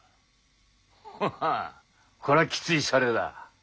ハハッこれはきついしゃれだ。